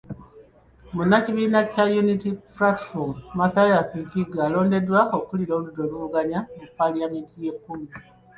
Munnakibiina kya National Unity Platform, Mathias Mpuuga alondeddwa okukulira oludda oluvuganya mu Paalamenti ey’ekkumi n'ogumu.